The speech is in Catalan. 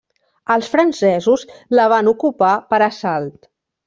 Els francesos la van ocupar per assalt.